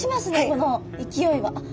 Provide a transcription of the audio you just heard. この勢いは。